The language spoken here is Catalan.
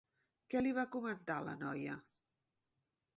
Què li va comentar a la noia?